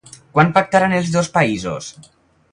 Quan pactaran els dos països?